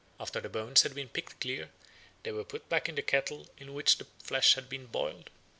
After the bones had been picked clean they were put back in the kettle in which the flesh had been boiled.